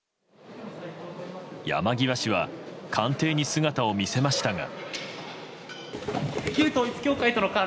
山際氏は官邸に姿を見せましたが。